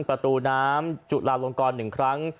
ประตูน้ำจุลาลงกร๑ครั้ง